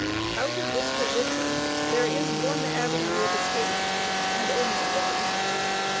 Out of this position there is one avenue of escape, and only one.